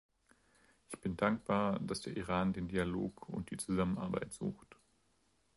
Ich bin dankbar, dass der Iran den Dialog und die Zusammenarbeit sucht.